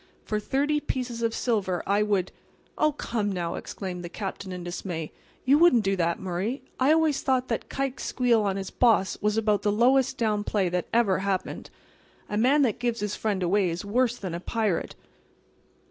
For thirty pieces of silver I would"— "Oh, come now!" exclaimed the Captain in dismay. "You wouldn't do that, Murray! I always thought that Kike's squeal on his boss was about the lowest down play that ever happened. A man that gives his friend away is worse than a pirate."